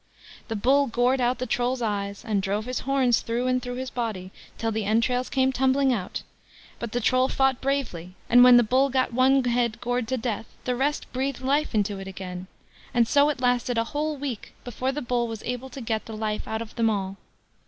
The Bull gored out the Troll's eyes, and drove his horns through and through his body, till the entrails came tumbling out; but the Troll fought bravely; and when the Bull got one head gored to death, the rest breathed life into it again, and so it lasted a whole week before the Bull was able to get the life out of them all.